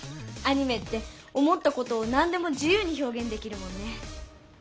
アニメって思ったことをなんでも自由に表現できるもんね。